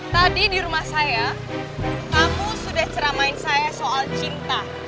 tadi di rumah saya kamu sudah ceramain saya soal cinta